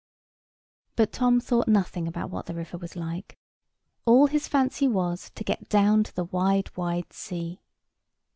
But Tom thought nothing about what the river was like. All his fancy was, to get down to the wide wide sea.